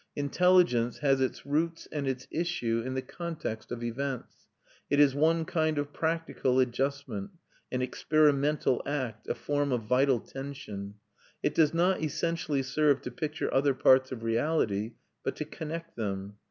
Intelligence has its roots and its issue in the context of events; it is one kind of practical adjustment, an experimental act, a form of vital tension. It does not essentially serve to picture other parts of reality, but to connect them.